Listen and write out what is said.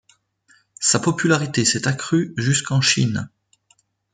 Sa popularité s'est accrue jusqu'en Chine.